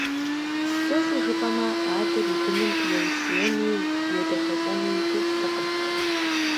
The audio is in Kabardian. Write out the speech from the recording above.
Кӏэщӏу жыпӏэмэ, адэр и быным еущиенууи, едахэщӏэнууи хуиттэкъым.